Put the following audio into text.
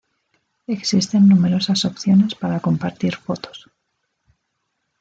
Existen numerosas opciones para compartir fotos.